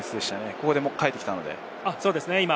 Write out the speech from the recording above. ここでもう帰ってきたので。